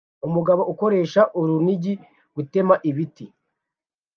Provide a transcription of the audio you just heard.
Umugabo ukoresha urunigi gutema ibiti